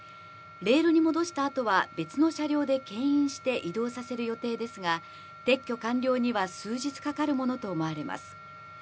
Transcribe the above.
レールに戻したあとは、別の車両でけん引して移動させる予定ですが、撤去完了には数日かかるものと思われます。